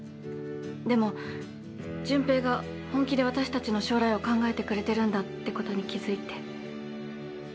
でも純平が本気で私たちの将来を考えてくれてるんだってことに気づいて。